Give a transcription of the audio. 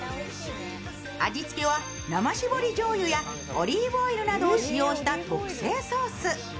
味付けは生搾りじょうゆやオリーブオイルなどを使用した特製ソース。